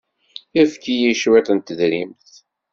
Efk-iyi cwiṭ n tedrimt.